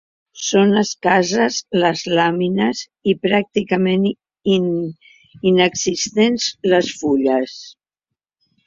Són escasses les làmines i pràcticament inexistents les fulles.